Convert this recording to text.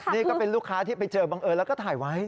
นี่ก็เป็นลูกค้าที่ไปเจอบังเอิญแล้วก็ถ่ายไว้